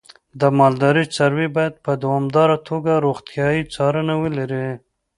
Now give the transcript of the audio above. د مالدارۍ څاروی باید په دوامداره توګه روغتیايي څارنه ولري.